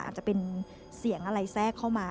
อาจจะเป็นเสียงอะไรแทรกเข้ามา